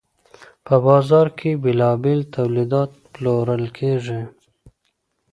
په بازار کي بیلابیل تولیدات پلورل کیدل.